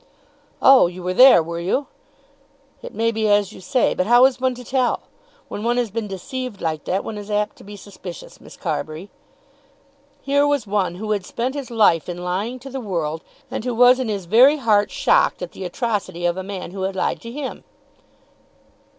"Oh, you were there; were you? It may be as you say, but how is one to tell? When one has been deceived like that, one is apt to be suspicious, Miss Carbury." Here was one who had spent his life in lying to the world, and who was in his very heart shocked at the atrocity of a man who had lied to him!